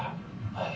「はい。